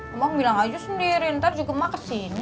emang bilang aja sendiri ntar juga emak kesini